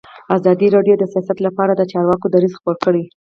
ازادي راډیو د سیاست لپاره د چارواکو دریځ خپور کړی.